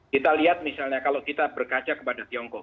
kita lihat misalnya kalau kita berkaca kepada tiongkok